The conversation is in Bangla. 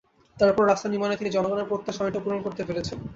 তার পরও রাস্তা নির্মাণে তিনি জনগণের প্রত্যাশা অনেকটা পূরণ করতে পেরেছেন।